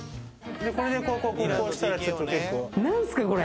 何すかこれ！？